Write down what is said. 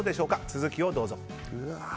続きをどうぞ。